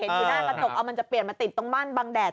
เห็นที่หน้ากระตุกมันจะเปลี่ยนมาติดตรงบ้านบางแดด